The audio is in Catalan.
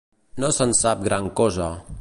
No se'n sap gran cosa.